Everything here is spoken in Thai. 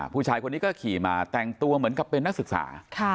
ผู้ชายคนนี้ก็ขี่มาแต่งตัวเหมือนกับเป็นนักศึกษา